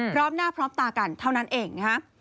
พร้อมหน้าพร้อมตากันเท่านั้นเองนะฮะ